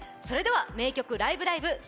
それでは「名曲ライブ！